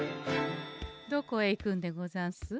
どこへ行くんでござんす？